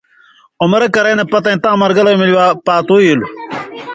عمرہ کرَیں نہ پتَیں تاں مرگلئیؤں مِلیۡ پاتُو ایلوۡ۔